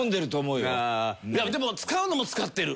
いやでも使うのも使ってる。